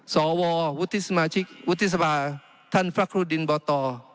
สววุฒิสมาชิกวุฒิสภาท่านพระครูดินบต